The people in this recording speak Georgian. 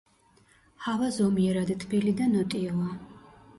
ჰავა ზომიერად თბილი და ნოტიოა.